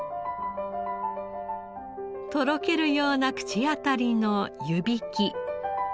とろけるような口当たりの湯引き。